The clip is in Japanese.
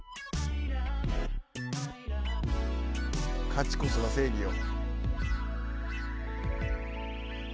勝ちこそが正義よ。